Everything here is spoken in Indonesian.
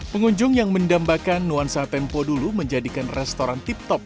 pengunjung yang mendambakan nuansa tempo dulu menjadikan restoran tip top